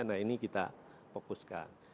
nah ini kita fokuskan